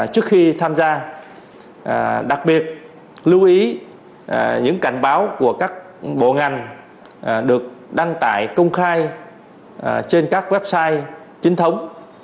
trước khi tham gia đặc biệt lưu ý những cảnh báo của các bộ ngành được đăng tải công khai trên các website chính thống